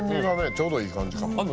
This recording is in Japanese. ちょうどいい感じかも。